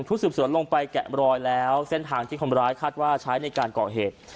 สืบสวนลงไปแกะรอยแล้วเส้นทางที่คนร้ายคาดว่าใช้ในการก่อเหตุ